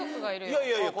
いやいやいや。